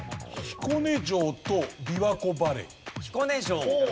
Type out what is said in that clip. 彦根城とびわ湖バレイ。